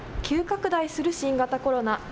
急拡大する新型コロナ。